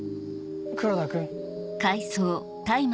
黒田君。